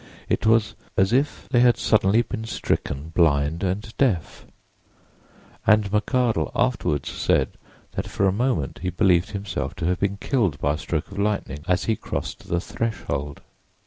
It was as if they had suddenly been stricken blind and deaf, and McArdle afterward said that for a moment he believed himself to have been killed by a stroke of lightning as he crossed the threshold.